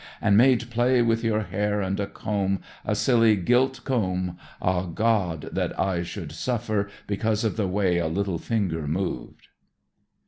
And made play with your hair And a comb, a silly gilt comb Ah, God, that I should suffer Because of the way a little finger moved.